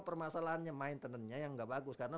permasalahannya maintenennya yang gak bagus karena